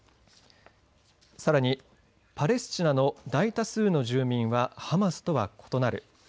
さらにパレスチナの大多数の住民はハマスとは異なる。